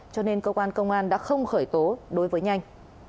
cho nên cơ quan công an đã không khởi tố đối với nhanh